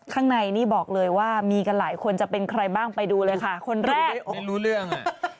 ข้างในนี่บอกเลยว่ามีกันหลายคนจะเป็นใครบ้างไปดูเลยค่ะคนแรกองค์รู้เรื่องอ่ะ